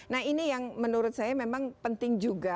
nah ini yang menurut saya memang penting juga